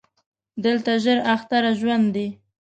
دلته زر اختره ژوند دی